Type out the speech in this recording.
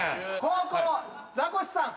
後攻ザコシさん。